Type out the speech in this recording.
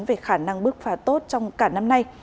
về khả năng bước phá tốt trong cả năm nay